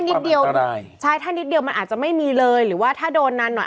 นี่คือความอันตรายใช่ถ้านิดเดียวมันอาจจะไม่มีเลยหรือว่าถ้าโดนนานหน่อย